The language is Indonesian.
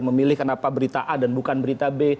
memilih kenapa berita a dan bukan berita b